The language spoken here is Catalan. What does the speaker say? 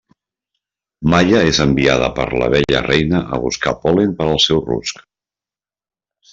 Maia és enviada per l'abella reina a buscar pol·len per al seu rusc.